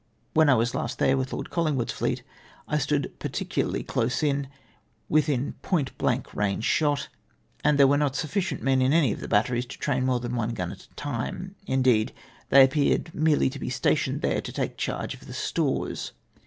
When I was last there, with Lord Collingwood's fleet, I stood particularly close in, within point blank range of shot, and there were not suflficient men in any of the batteries to train more than one gun at a time — indeed, they appeared merely to be stationed there to take charge of the stores.